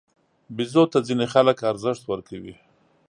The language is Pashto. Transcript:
بیزو ته ځینې خلک ارزښت ورکوي.